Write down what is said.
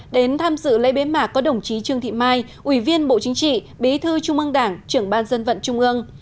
đến tham dự lễ bế mạc có đồng chí trương thị mai ủy viên bộ chính trị bí thư trung ương đảng trưởng ban dân vận trung ương